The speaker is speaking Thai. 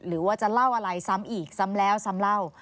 หรือว่าจะเล่าอะไรซ้ำอีกซ้ำแล้วซ้ำเล่า